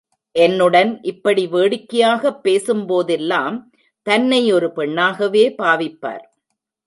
என்னுடன் இப்படி வேடிக்கையாகப் பேசும்போதெல்லாம் தன்னை ஒரு பெண்ணாகவே பாவிப்பார்.